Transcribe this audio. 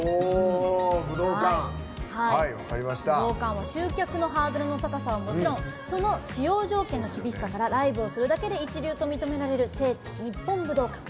武道館は集客のハードルの高さはもちろんその使用条件の厳しさからライブをするだけで一流と認められる聖地日本武道館。